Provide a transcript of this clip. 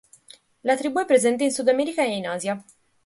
La tribù è presente in Sud America e in Asia.